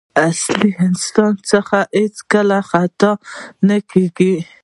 اصیل انسان څخه هېڅکله خطا نه کېږي.